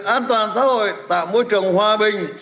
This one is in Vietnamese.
an toàn xã hội tạo môi trường hòa bình